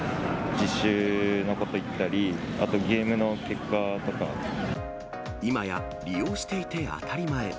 実習のことだったり、あとゲ今や、利用していて当たり前。